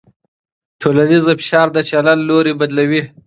ټولنیز فشار د چلند لوری بدلوي.